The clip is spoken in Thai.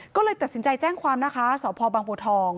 ก็เลยตัดสินใจแจ้งความนะคะสพบังบัวทอง